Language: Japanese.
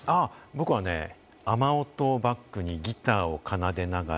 僕は雨音をバックにギターを奏でながら。